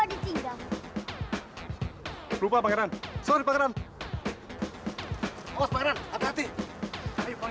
lu cuma biar dia ngeremehin